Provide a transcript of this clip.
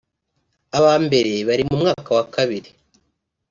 aba mbere bari mu mwaka wa kabiri